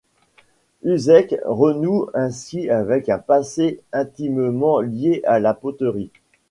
Uzech renoue ainsi avec un passé intimement lié à la poterie.